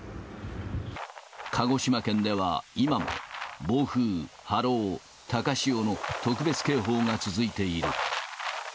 鹿児島県では今も暴風、波浪、高潮の特別警報が続いている。